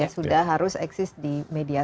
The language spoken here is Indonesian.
sudah harus eksis di media